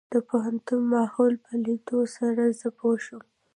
د پوهنتون ماحول په ليدلو سره زه پوه شوم.